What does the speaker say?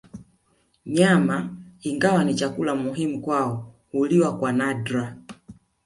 Nyama ingawa ni chakula muhimu kwao huliwa kwa nadra